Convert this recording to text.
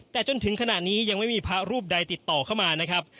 แต่จนถึงขณะนี้ยังไม่มีพระรูปใดติดต่อเข้ามานะครับ